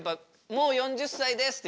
もう４０歳ですって。